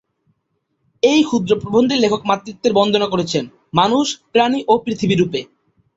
এই ক্ষুদ্র প্রবন্ধে লেখক মাতৃত্বের বন্দনা করেছেন; মানুষ, প্রাণী ও পৃথিবী রূপে।